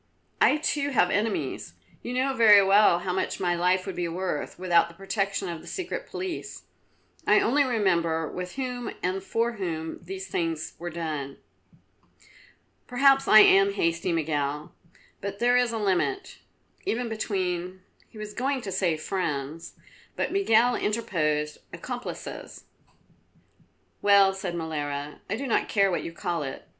I too have enemies. You know very well how much my life would be worth without the protection of the Secret Police. I only remember with whom and for whom these things were done." "Perhaps I am hasty, Miguel, but there is a limit, even between " He was going to say friends but Miguel interposed accomplices. "Well," said Molara, "I do not care what you call it.